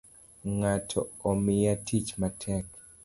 Ngato Omiya tich matek